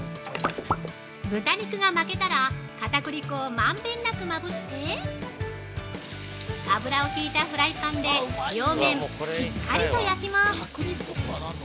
◆豚肉が巻けたら、かたくり粉をまんべんなくまぶして油を引いたフライパンで両面しっかりと焼きます。